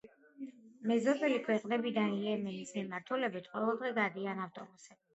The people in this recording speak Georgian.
მეზობელი ქვეყნებიდან იემენის მიმართულებით ყოველდღე გადიან ავტობუსები.